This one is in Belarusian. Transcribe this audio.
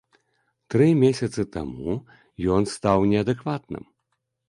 Тры месяцы таму ён стаў неадэкватным.